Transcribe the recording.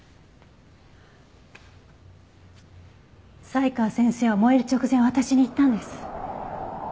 才川先生は燃える直前私に言ったんです。